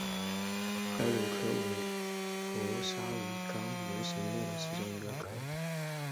河鲈科为辐鳍鱼纲鲈形目的其中一个科。